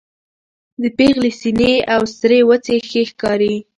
د پېغلې سپينې او سرې وڅې ښې ښکاري